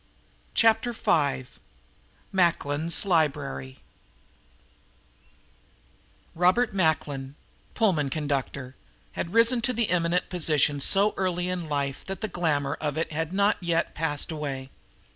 Chapter Five Macklin's Library Robert Macklin, Pullman conductor, had risen to that eminent position so early in life that the glamour of it had not yet passed away.